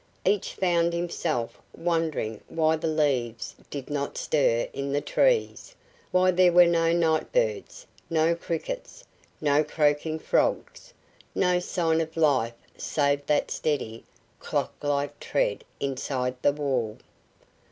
Each found himself wondering why the leaves did not stir in the trees, why there were no nightbirds, no crickets, no croaking frogs, no sign of life save that steady, clocklike tread inside the wall.